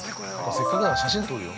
◆せっかくだから、写真撮るよ。